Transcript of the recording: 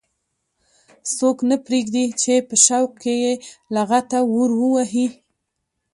څوک نه پرېږدي چې په شوق کې یې لغته ور ووهي.